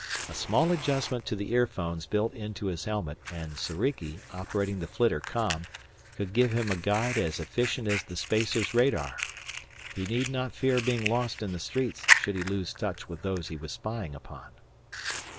A small adjustment to the earphones built into his helmet, and Soriki, operating the flitter com, could give him a guide as efficient as the spacer's radar! He need not fear being lost in the streets should he lose touch with those he was spying upon.